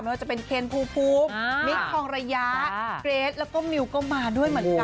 ว่าจะเป็นเคนภูมิมิคทองระยะเกรทแล้วก็มิวก็มาด้วยเหมือนกัน